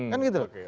kan gitu loh